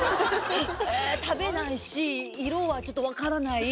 食べないし色はちょっと分からない。